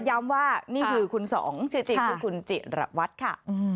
ย้ำว่านี่คือคุณสองจิตคือคุณจิตระวัดค่ะ